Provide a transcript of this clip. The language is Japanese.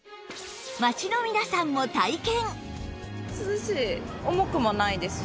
街の皆さんも体験！